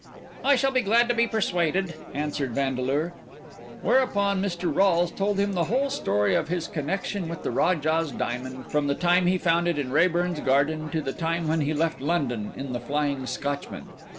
"I shall be glad to be persuaded," answered Vandeleur. Whereupon Mr. Rolles told him the whole story of his connection with the Rajah's Diamond, from the time he found it in Raeburn's garden to the time when he left London in the Flying Scotchman.